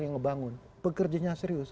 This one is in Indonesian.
yang ngebangun pekerjanya serius